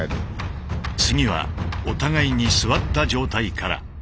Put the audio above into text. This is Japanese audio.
次はお互いに座った状態から。